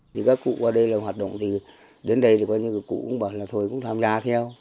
thì các cụ qua đây làm hoạt động thì đến đây thì có những cụ cũng bảo là thôi cũng làm ra theo